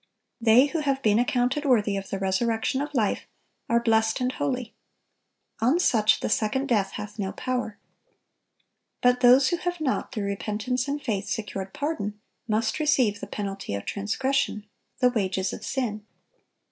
(957) They who have been "accounted worthy" of the resurrection of life, are "blessed and holy." "On such the second death hath no power."(958) But those who have not, through repentance and faith, secured pardon, must receive the penalty of transgression,—"the wages of sin."